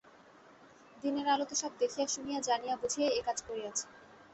দিনের আলোতে সব দেখিয়া-শুনিয়া জানিয়া-বুঝিয়াই এ কাজ করিয়াছি।